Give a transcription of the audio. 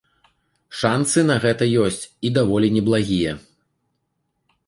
Шанцы на гэта ёсць, і даволі неблагія.